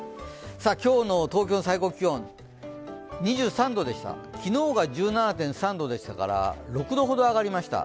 今日の東京の最高気温、２３度でした昨日が１７．３度でしたから６度ほど上がりました。